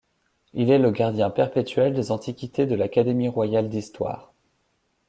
Il est le gardien perpétuel des antiquités de l'académie royale d’histoire.